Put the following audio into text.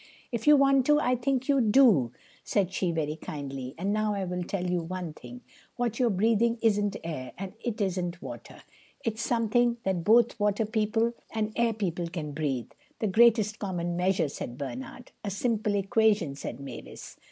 "If you want to, I think you do," said she very kindly. "And now I will tell you one thing. What you're breathing isn't air, and it isn't water. It's something that both water people and air people can breathe." "The greatest common measure," said Bernard. "A simple equation," said Mavis.